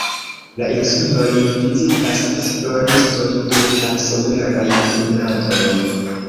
La insulojn vizitas esploristoj, dum la someraj monatoj.